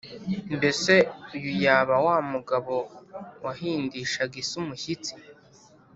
«Mbese uyu yaba wa mugabo wahindishaga isi umushyitsi,